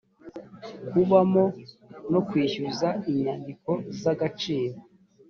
kubamo no kwishyuza inyandiko z’agaciro